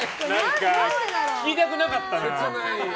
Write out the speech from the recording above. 聞きたくなかったな。